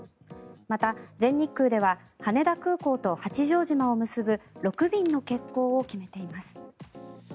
また、全日空では羽田空港と八丈島を結ぶ６便の欠航を決めています。